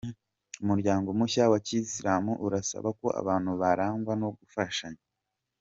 Umuryango mushya wa kisilamu urasaba ko abantu barangwa no gufashanya